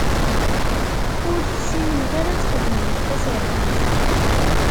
Ur tessinemt ara ad txedmemt tasertit.